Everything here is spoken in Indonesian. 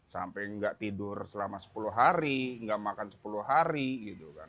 sampai nggak tidur selama sepuluh hari nggak makan sepuluh hari gitu kan